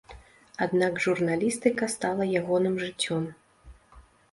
Аднак журналістыка стала ягоным жыццём.